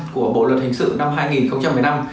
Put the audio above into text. của bộ luật hình sự năm hai nghìn một mươi năm